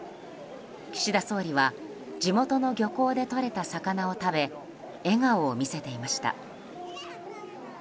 岸田総理は地元の漁港でとれた魚を食べ笑顔を見せていました。